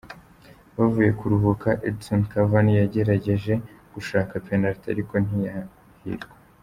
Bavuye kuruhuka, Edinson Cavani yagerageje gushaka penaliti ariko ntiyahirwa.